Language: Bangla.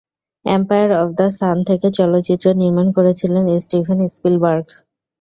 এম্পায়ার অফ দ্য সান থেকে চলচ্চিত্র নির্মাণ করেছিলেন স্টিভেন স্পিলবার্গ।